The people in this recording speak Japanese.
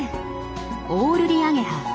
オオルリアゲハ。